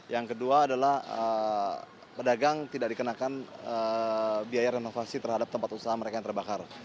yang kedua adalah pedagang tidak dikenakan biaya renovasi terhadap tempat usaha mereka yang terbakar